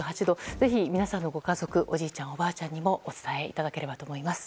ぜひ皆さんのご家族おじいちゃん、おばあちゃんにもお伝えいただければと思います。